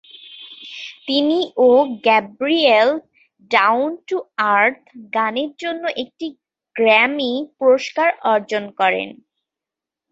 তিনি ও Gabriel "down to earth" গানের জন্য একটি গ্র্যামি পুরস্কার অর্জন করেন।